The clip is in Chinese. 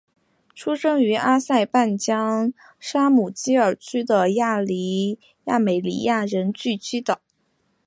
出生于阿塞拜疆沙姆基尔区的亚美尼亚人聚居的。